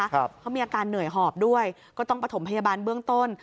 เขามีอาการเหนื่อยหอบด้วยก็ต้องประถมพยาบาลเบื้องต้น